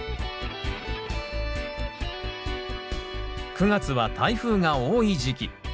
９月は台風が多い時期。